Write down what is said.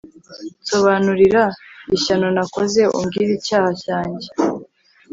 nsobanurira ishyano nakoze, umbwire icyaha cyanjye